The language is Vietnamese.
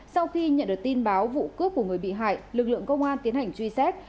sau khi nhận được tin báo vụ cướp của người bị hại lực lượng công an tiến hành truy xét